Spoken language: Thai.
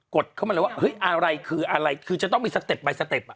กฎเข้ามันเหลือมาอะไรคืออะไรคือจะต้องมี